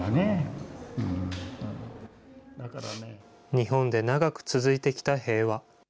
日本で長く続いてきた平和。